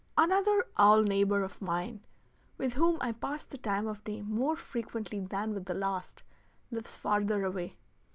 Another owl neighbor of mine, with whom I pass the time of day more frequently than with the last, lives farther away.